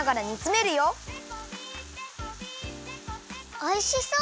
おいしそう！